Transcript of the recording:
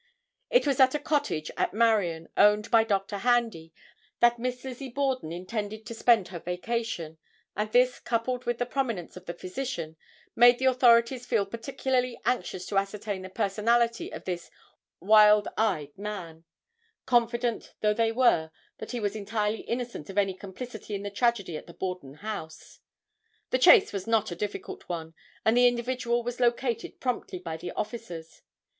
It was at a cottage at Marion, owned by Dr. Handy, that Miss Lizzie Borden intended to spend her vacation, and this, coupled with the prominence of the physician, made the authorities feel particularly anxious to ascertain the personality of this "wild eyed man," confident though they were that he was entirely innocent of any complicity in the tragedy at the Borden house. The chase was not a difficult one, and the individual was located promptly by the officers.